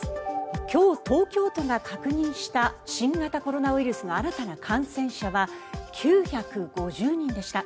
今日、東京都が確認した新型コロナウイルスの新たな感染者は９５０人でした。